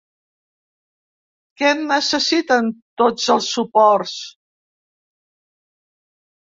Què necessiten tots els suports?